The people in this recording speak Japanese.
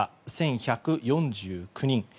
１１４９人。